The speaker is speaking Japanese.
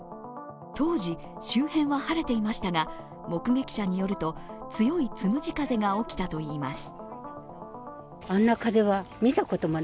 当時、周辺は晴れていましたが、目撃者によると強いつむじ風が起きたといいます。